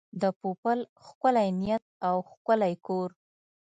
د پوپل ښکلی نیت او ښکلی کور.